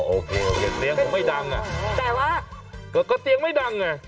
โอเคเห็นเตียงผมไม่ดังแต่ว่าก็เตียงไม่ดัง